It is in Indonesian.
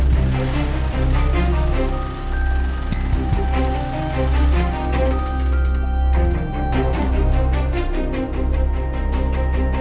dapat serahin bareng bareng lu